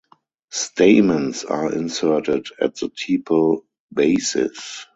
Stamens are inserted at the tepal bases.